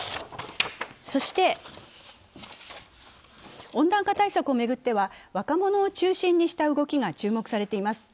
そして温暖化対策を巡っては若者を中心にした動きが注目されています。